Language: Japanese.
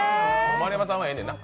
丸山さんは、もうええねんな。